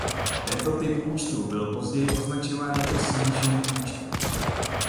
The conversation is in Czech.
Tento typ účtu byl později označován jako smíšený účet.